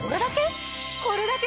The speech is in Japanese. これだけ？